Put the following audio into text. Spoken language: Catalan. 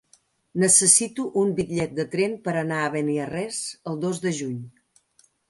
Necessito un bitllet de tren per anar a Beniarrés el dos de juny.